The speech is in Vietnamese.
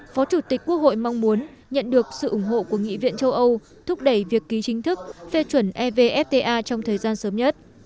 phó chủ tịch quốc hội mong muốn nhận được sự ủng hộ của nghị viện châu âu thúc đẩy việc ký chính thức phê chuẩn evfta trong thời gian sớm nhất